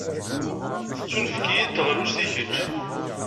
Tettunefk-iyi-d teɣlust i kečč.